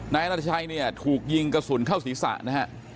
นายนาธิชัยถูกยิงกระสุนเข้าศรีษะนะครับ